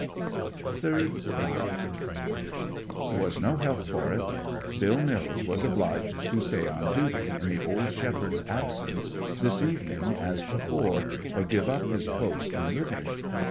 THIRD NIGHT There was no help for it. Bill Mills was obliged to stay on duty, in the old shepherd's absence, this evening as before, or give up his post and living.